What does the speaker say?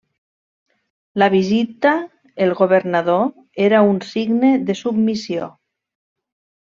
La visita el governador era un signe de submissió.